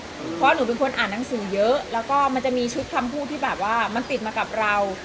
เพราะหนูเป็นคนอ่านหนังสือเยอะแล้วก็มันจะมีชุดคำพูดที่แบบว่ามันติดมากับเรา